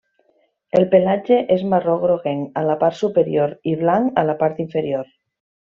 El pelatge és marró groguenc a la part superior i blanc a la part inferior.